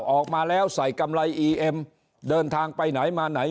ออกมาแล้วใส่กำไรอีเอ็มเดินทางไปไหนมาไหน